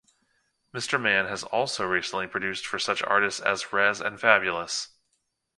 Mr. Man has also recently produced for such artists as Res and Fabolous.